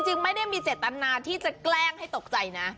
จริงไม่ได้มีเจตนาที่จะแกล้งให้ตกใจนะ